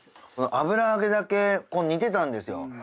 油揚げだけ煮てたんですよ。